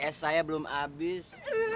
eh saya belum habis